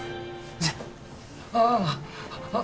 じゃああっ